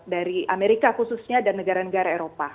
dari amerika khususnya dan negara negara eropa